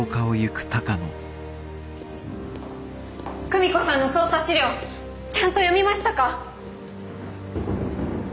久美子さんの捜査資料ちゃんと読みましたか？